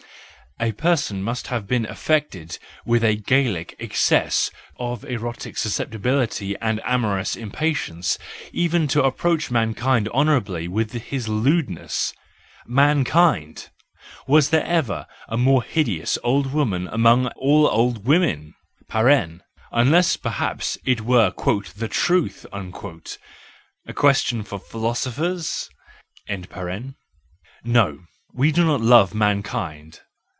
A person must have been affected with a Gallic excess of erotic susceptibility and amorous im¬ patience even to approach mankind honourably with his lewdness. ,.. Mankind! Was there ever a more hideous old woman among all old women (unless perhaps it were "the Truth": a question for philosophers)? No, we do not love Mankind